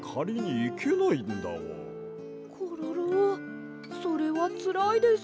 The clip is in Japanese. コロロそれはつらいです。